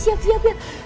siap siap ya